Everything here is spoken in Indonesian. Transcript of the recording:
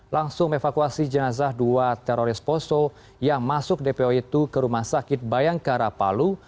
langsung evakuasi jenazah dua teroris poso yang masuk dpo itu ke rumah sakit bayangkara palu